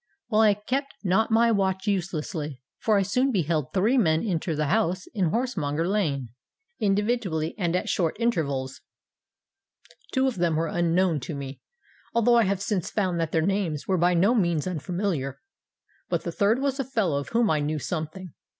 Well, I kept not my watch uselessly; for I soon beheld three men enter the house in Horsemonger Lane, individually and at short intervals. Two of them were unknown to me—although I have since found that their names were by no means unfamiliar; but the third was a fellow of whom I knew something.